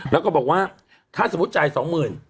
แล้วก็บอกว่าถ้าสมมุติจ่ายสองหมื่น